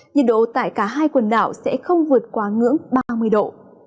nhiệt độ tại cả hai quần đảo sẽ không vượt quá ngưỡng ba mươi độ